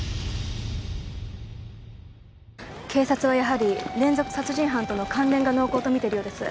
警察はやはり連続殺人犯との関連が濃厚と見ているようです。